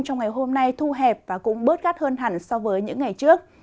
trong ngày hôm nay thu hẹp và cũng bớt gắt hơn hẳn so với những ngày trước